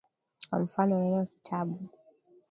Kwa mfano, neno kitabu.